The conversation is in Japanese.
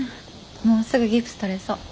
もうすぐギプス取れそう。